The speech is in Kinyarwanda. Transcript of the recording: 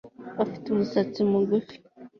Afite umusatsi mugufi